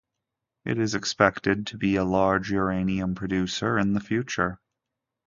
It is expected to be a large uranium producer in the future.